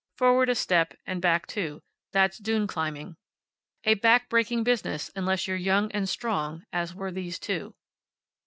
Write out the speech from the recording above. Forward a step, and back two that's dune climbing. A back breaking business, unless you're young and strong, as were these two.